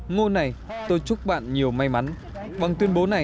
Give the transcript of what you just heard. ngô này tôi chúc bạn nhiều may mắn